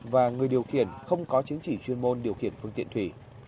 và người điều khiển không có chứng chỉ chuyên môn điều khiển phương tiện thủy